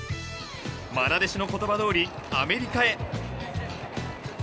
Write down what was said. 愛弟子の言葉どおりアメリカへ。